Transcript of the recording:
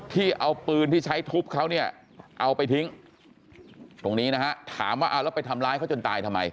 ที่เอาปืนที่ใช้ทุบเขาเนี่ยเอาไปทิ้งตรงนี้นะฮะถามว่าเอาแล้วไปทำร้ายเขาจนตายทำไม